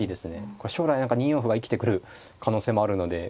これは将来何か２四歩が生きてくる可能性もあるので。